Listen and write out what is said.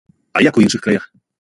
А як у іншых краях?